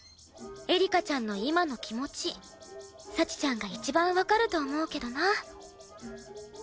エリカちゃんの今の気持ち幸ちゃんが一番わかると思うけどな。